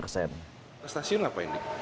stasiun apa ini